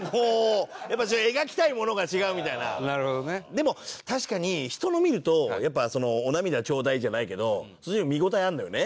でも確かに人のを見るとお涙ちょうだいじゃないけど見応えあるのよね。